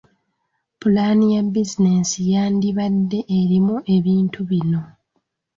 Pulaani ya bizinensi yandibadde erimu ebintu bino.